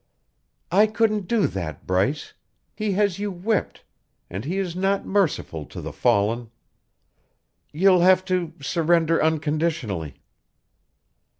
"I couldn't do that, Bryce. He has you whipped and he is not merciful to the fallen. You'll have to surrender unconditionally."